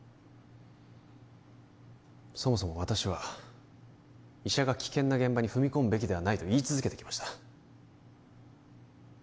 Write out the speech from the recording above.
そもそも私は医者が危険な現場に踏み込むべきではないと言い続けてきました